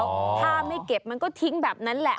ถ้าไม่เก็บมันก็ทิ้งแบบนั้นแหละ